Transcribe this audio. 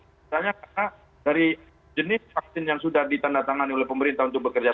misalnya karena dari jenis vaksin yang sudah ditandatangani oleh pemerintah untuk bekerja